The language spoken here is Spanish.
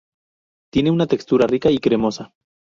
Tiene una textura rica y cremosa.